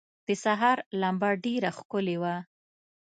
د سهار لمبه ډېره ښکلي وه.